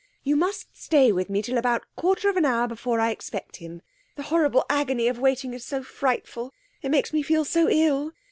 You must stay with me till about a quarter of an hour before I expect him. The horrible agony of waiting is so frightful! It makes me feel so ill.